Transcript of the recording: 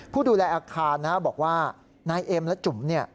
ผู้ดูแลอาคารบอกว่านายเอ็มและจุ๋มเนี่ย